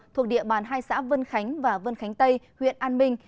thuộc địa bàn hai xã vân khánh và vân khánh tây huyện an minh